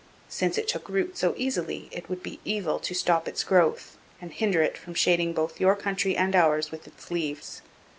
Since it took root so easily it would be evil to stop its growth and hinder it from shading both your country and ours with its leaves.